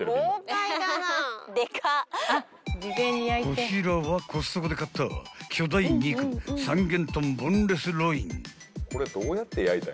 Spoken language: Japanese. ［こちらはコストコで買った巨大肉三元豚ボンレスロイン］